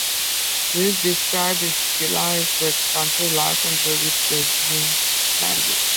Pius described his delight with country life in very pleasing language.